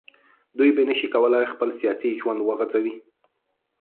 دوی به نه شي کولای خپل سیاسي ژوند وغځوي